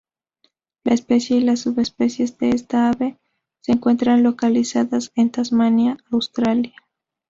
La especie y las subespecies de esta ave se encuentran localizadas en Tasmania, Australia.